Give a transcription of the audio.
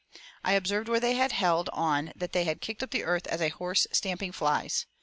I observed where they had held on they had kicked up the earth as a horse stamping flies....